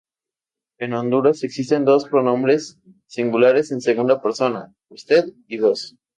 En Honduras existen dos pronombres singulares en segunda persona: usted y vos.